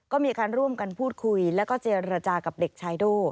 ก็มีการร่วมกันพูดคุยแล้วก็เจรจากับเด็กชายโด่